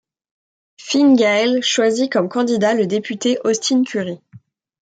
Fine Gael choisit comme candidat le député Austin Currie.